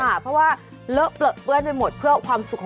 เพราะว่าเลิกเปลือกเพื่อนไปหมด